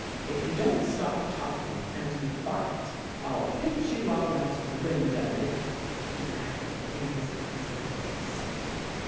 If you don't stop talking and be quiet, I'll pitch you all out of the window," he added in his natural voice.